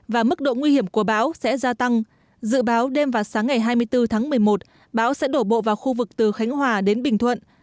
và mức độ nguy hiểm của bão sẽ gia tăng dự báo đêm và sáng ngày hai mươi bốn tháng một mươi một bão sẽ đổ bộ vào khu vực từ khánh hòa đến bình thuận